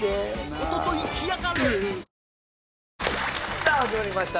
さあ始まりました